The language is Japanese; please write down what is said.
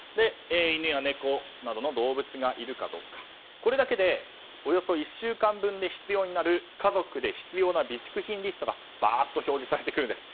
犬や猫などの動物がいるかとかこれだけでおよそ１週間分で必要になる家族で必要な備蓄品リストが表示されてくるんです。